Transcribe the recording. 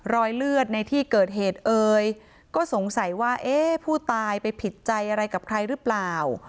รอยเลือดในที่เกิดเหตุเอ่ยก็สงสัยว่าเอ๊ะผู้ตายไปผิดใจอะไรกับใครหรือเปล่า